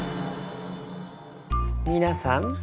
皆さん。